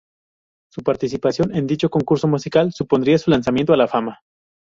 Su participación en dicho concurso musical supondría su lanzamiento a la fama.